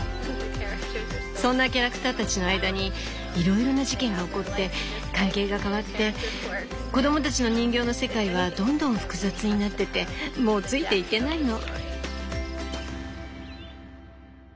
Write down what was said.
そんなキャラクターたちの間にいろいろな事件が起こって関係が変わって子どもたちの人形の世界はどんどん複雑になっててもうついていけないの。